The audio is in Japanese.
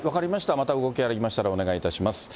また動きがありましたらお願いいたします。